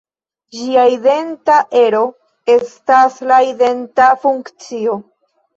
Ĝia identa ero estas la identa funkcio.